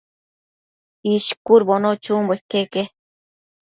ishcudbono chunbo iqueque